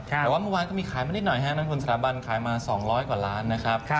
แต่ว่าเมื่อวานก็มีขายมานิดหน่อยฮะนักทุนสถาบันขายมา๒๐๐กว่าล้านนะครับ